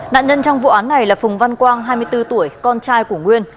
nạn nhân trong vụ án này là phùng văn quang hai mươi bốn tuổi con trai của nguyên